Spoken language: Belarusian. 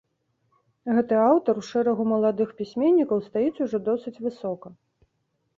Гэты аўтар у шэрагу маладых пісьменнікаў стаіць ужо досыць высока.